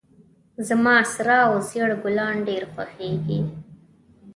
زما سره او زیړ ګلان ډیر خوښیږي